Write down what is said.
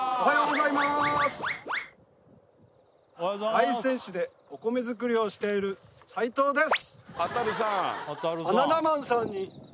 大仙市でお米作りをしている齊藤です！